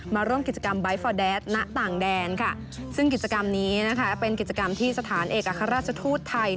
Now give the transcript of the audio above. มาร่วมกิจกรรมไบท์ฟอร์แดดณต่างแดนค่ะซึ่งกิจกรรมนี้นะคะเป็นกิจกรรมที่สถานเอกอัครราชทูตไทย